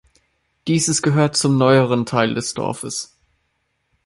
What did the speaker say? Dieses gehört zum neueren Teil des Dorfes.